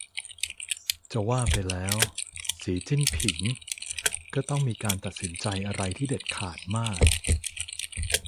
จะว่าไปแล้ว สี จิ้นผิง ก็ต้องมีการตัดสินใจอะไรที่เด็ดขาดมาก